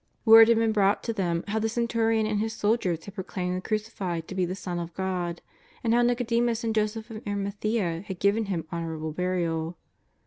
AVord had been brought to them how the centurion and his soldiers had pro claimed the Crucified to be the Son of God, and how Nicodemus and Joseph of Arimathea had ^iven Him honourable burial.